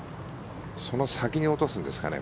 その先に落とすんですかね。